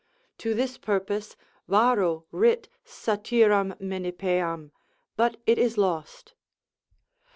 To this purpose Varro writ Satyram Menippeam, but it is lost.